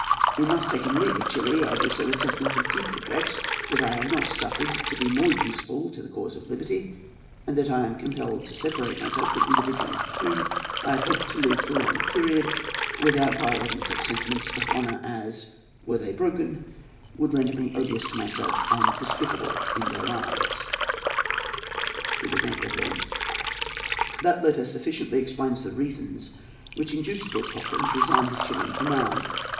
In thus taking leave of Chili, I do so with sentiments of deep regret that I have not been suffered to be more useful to the cause of liberty, and that I am compelled to separate myself from individuals with whom I hoped to live for a long period, without violating such sentiments of honour as, were they broken, would render me odious to myself and despicable in their eyes." That letter sufficiently explains the reasons which induced Lord Cochrane to resign his Chilian command.